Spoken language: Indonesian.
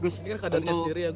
saya pikir keadaannya sendiri ya